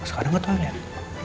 sekarang nggak toilet